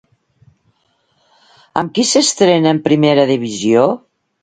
Amb qui s'estrena en primera divisió?